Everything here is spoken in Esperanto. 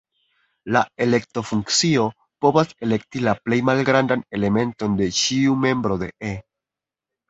La elekto-funkcio povas elekti la plej malgrandan elementon de ĉiu membro de "E".